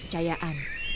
dan kebanyakan jenis cayaan